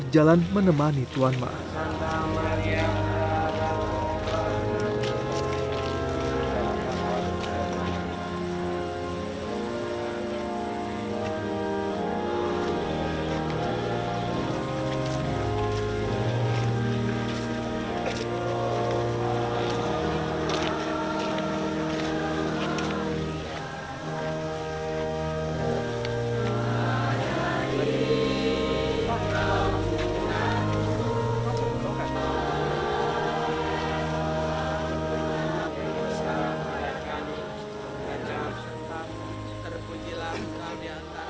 jalan menemani tuan man